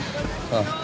ああ。